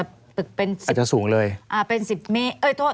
อาจจะสูงเลย